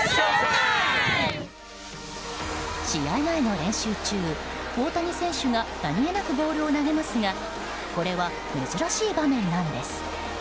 試合前の練習中、大谷選手が何気なくボールを投げますがこれは珍しい場面なんです。